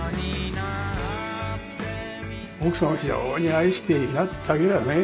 奥さんを非常に愛していなったようやね。